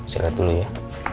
saya lihat dulu ya